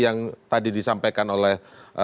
yang tadi disampaikan oleh